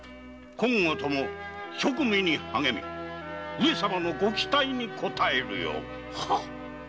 今後とも職務に励み上様のご期待にこたえよ。はッ。